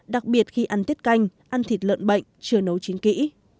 đặc biệt khi ăn tiết canh ăn thịt lợn bệnh chưa nấu chín kỹ